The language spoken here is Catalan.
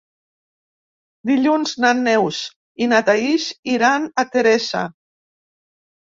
Dilluns na Neus i na Thaís iran a Teresa.